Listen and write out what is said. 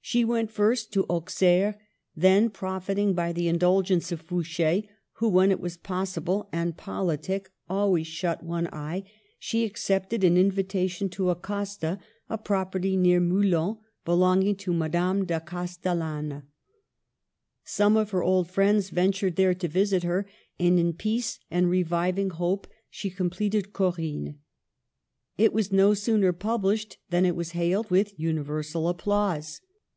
She went first to Auxerre ; then, profiting by the indulgence of Fouch6, who, when it was possible (and politic), always shut one eye, she accepted an invitation to Acosta, a property near Meulon belonging to Madame de Castellane. Some of her old friends ventured there to visit her, and in peace and reviving hope she completed Corinne. It was no sooner published than it was hailed with universal applause.